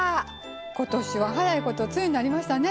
今年は早いこと梅雨になりましたね。